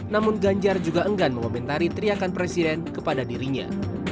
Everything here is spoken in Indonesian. namun ganjar juga enggan mengomentari teriakan presiden kepada dirinya